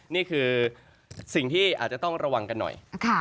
นี่คือสิ่งที่อาจจะต้องระวังกันหน่อย